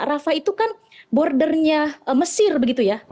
rafa itu kan bordernya mesir begitu ya